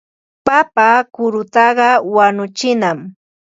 Papa kurutaqa wañuchinam.